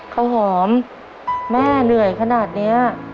ข้าวหอมแม่เหนื่อยขนาดนี้